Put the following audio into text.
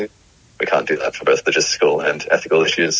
kita tidak bisa melakukan itu untuk masalah logistik dan etik